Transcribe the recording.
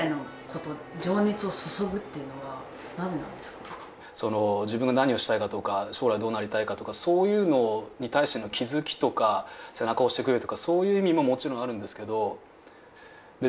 そこら辺のそのその自分が何をしたいかとか将来どうなりたいかとかそういうのに対しての気付きとか背中を押してくれるとかそういう意味ももちろんあるんですけど。